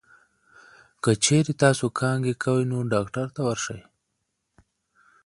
که چېرې تاسو کانګې کوئ، نو ډاکټر ته ورشئ.